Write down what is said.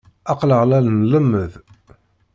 Aql-aɣ la nlemmed.